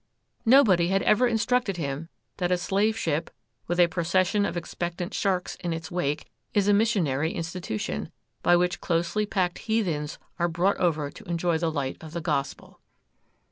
Nobody had ever instructed him that a slave ship, with a procession of expectant sharks in its wake, is a missionary institution, by which closely packed heathens are brought over to enjoy the light of the gospel.